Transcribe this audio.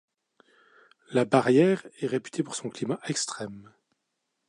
La barrière est réputée pour son climat extrême.